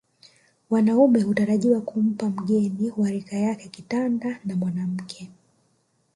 Wanaume hutarajiwa kumpa mgeni wa rika yake kitanda na mwanamke